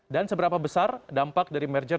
dan seberapa besar dampak dari merger